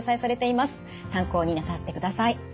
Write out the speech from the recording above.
参考になさってください。